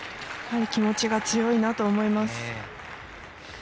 やはり気持ちが強いなと思います。